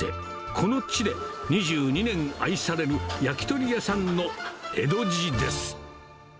この地で２２年、愛される焼き鳥屋さんの江戸路です。